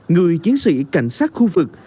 người chiến sĩ cảnh sát khu vực